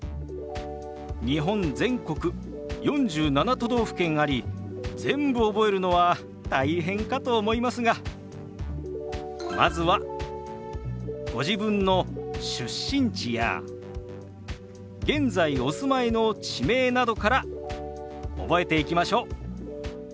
日本全国４７都道府県あり全部覚えるのは大変かと思いますがまずはご自分の出身地や現在お住まいの地名などから覚えていきましょう。